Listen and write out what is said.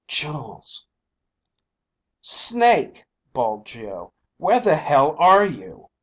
jewels ..._ "Snake!" bawled Geo. "Where the hell are you?"